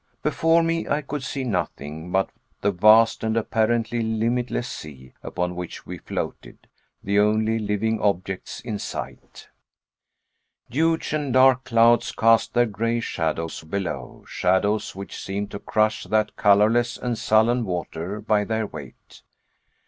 Before me I could see nothing but the vast and apparently limitless sea upon which we floated the only living objects in sight. Huge and dark clouds cast their grey shadows below shadows which seemed to crush that colorless and sullen water by their weight.